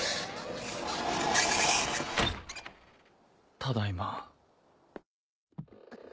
ただいま。